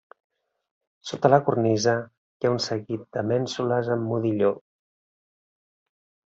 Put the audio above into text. Sota la cornisa hi ha un seguit de mènsules amb modilló.